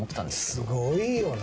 すごいよな。